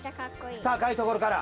たかいところから。